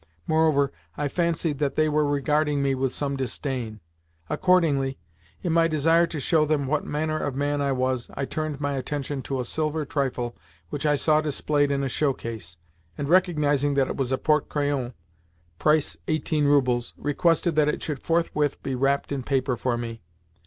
Moreover, I fancied that they were regarding me with some disdain. Accordingly, in my desire to show them what manner of man I was, I turned my attention to a silver trifle which I saw displayed in a show case, and, recognising that it was a porte crayon (price eighteen roubles), requested that it should forthwith be wrapped in paper for me.